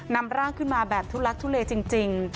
นำร่างขึ้นมาแบบทุลักทุเลจริง